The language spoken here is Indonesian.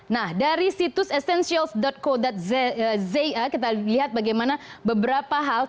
nah dari situs essentials co za kita lihat bagaimana beberapa hal